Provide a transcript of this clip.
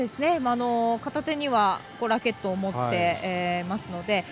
片手にはラケットを持っていますので。